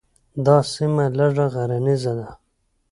دا سیمه لږه غرنیزه ده.